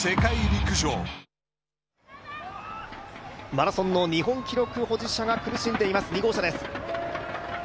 マラソンの日本記録保持者が苦しんでいます、２号車です。